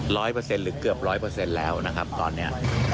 ร้อยเปอร์เซ็นต์หรือเกือบร้อยเปอร์เซ็นต์แล้วนะครับตอนนี้